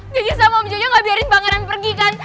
jadi sama om jojo gak biarin pangeran pergi kan